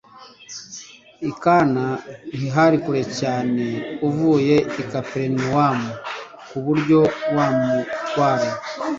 I Kana ntihari kure cyane uvuye i Kaperinawumu ku buryo wa mutware